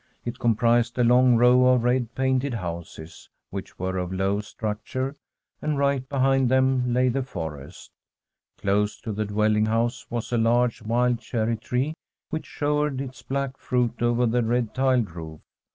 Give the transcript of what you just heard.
It com prised a long row of red painted houses, which were of low structure, and right behind them lay the forest. Close to the dwelling hoUse was a large wild cherry tree, which showered its black fruit over the red tiled roof.